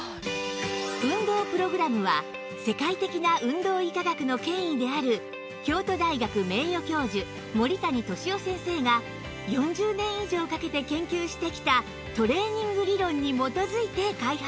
運動プログラムは世界的な運動医科学の権威である京都大学名誉教授森谷敏夫先生が４０年以上かけて研究してきたトレーニング理論に基づいて開発